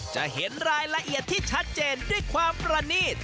จะเห็นรายละเอียดที่ชัดเจนด้วยความประนีต